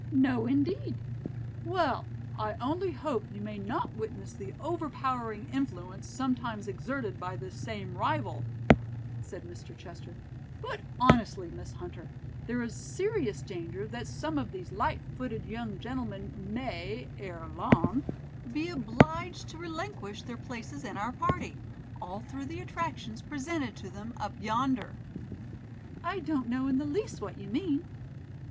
"No, indeed." "Well, I only hope you may not witness the overpowering influence sometimes exerted by this same rival," said Mr. Chester; "but honestly, Miss Hunter, there is serious danger that some of these light footed young gentlemen may, ere long, be obliged to relinquish their places in our party, all through the attractions presented to them up yonder." "I don't in the least know what you mean."